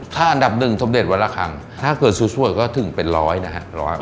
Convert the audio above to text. ถ้าอันดับหนึ่งสมเด็จวันละครั้งถ้าเกิดสวยก็ถึงเป็นร้อยนะฮะ